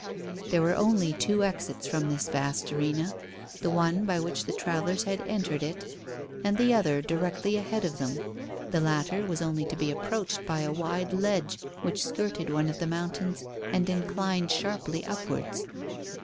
There were only two exits from this vast arena. The one by which the travellers had entered it, and the other directly ahead of them; the latter was only to be approached by a wide ledge which skirted one of the mountains and inclined sharply upwards.